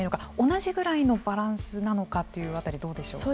同じぐらいのバランスなのかという辺りどうでしょうか。